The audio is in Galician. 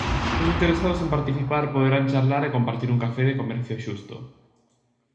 Os interesados en participar poderán charlar e compartir un café de comercio xusto.